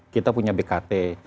kita punya bkt